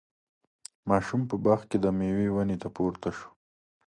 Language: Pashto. ماشوم په باغ کې د میوو ونې ته پورته شو.